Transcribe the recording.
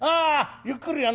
ゆっくりやんなよ。